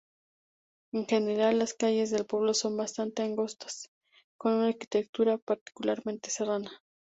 En general, las calles del pueblo son bastante angostas, con una arquitectura particularmente serrana.